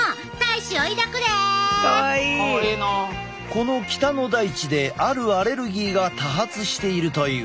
この北の大地であるアレルギーが多発しているという。